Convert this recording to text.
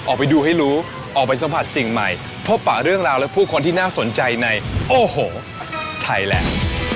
ออกไปดูให้รู้ออกไปสัมผัสสิ่งใหม่พบปะเรื่องราวและผู้คนที่น่าสนใจในโอ้โหไทยแลนด์